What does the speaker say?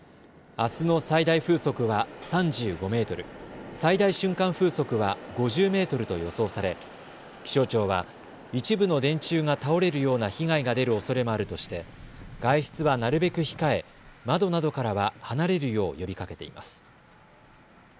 あすの最大風速は３５メートル、最大瞬間風速は５０メートルと予想され気象庁は一部の電柱が倒れるような被害が出るおそれもあるとして外出はなるべく控え窓などからは離れるよう呼びかけています。